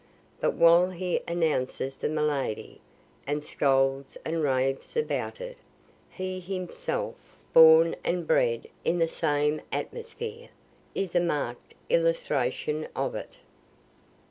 But while he announces the malady, and scolds and raves about it, he himself, born and bred in the same atmosphere, is a mark'd illustration of it.